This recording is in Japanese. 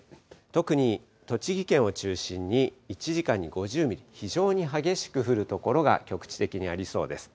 特に栃木県を中心に１時間に５０ミリ、非常に激しく降る所が、局地的にありそうです。